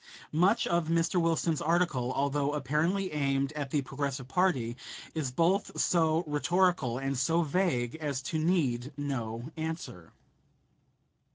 Much of Mr. Wilson's article, although apparently aimed at the Progressive party, is both so rhetorical and so vague as to need no answer.